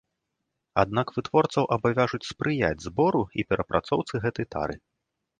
Аднак вытворцаў абавяжуць спрыяць збору і перапрацоўцы гэтай тары.